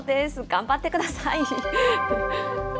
頑張ってください。